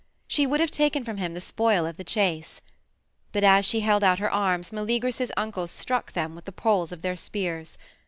She would have taken from him the spoil of the chase. But as she held out her arms Meleagrus's uncles struck them with the poles of their spears.